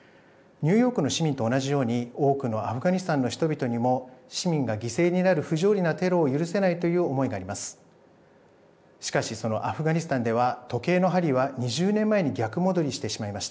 ニューヨークの市民と同じように多くのアフガニスタンの人々にも市民が犠牲になる不条理なテロを許せないという思いがあります。